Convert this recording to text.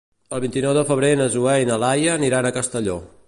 El vint-i-nou de febrer na Zoè i na Laia aniran a Castelló.